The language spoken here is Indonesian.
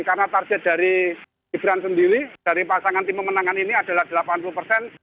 karena target dari gibran sendiri dari pasangan tim pemenangan ini adalah delapan puluh persen